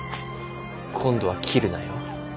今度は斬るなよ。